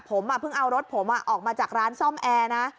ผมเพิ่งเอารถผมออกมาจากร้านซ่อมแอร์นะ